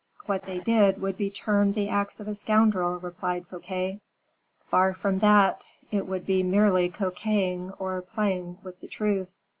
"What they did would be termed the acts of a scoundrel," replied Fouquet. "Far from that; it would be merely coquetting or playing with the truth.